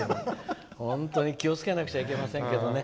本当に気をつけなくちゃいけないですね。